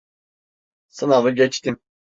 Sınavı geçtim.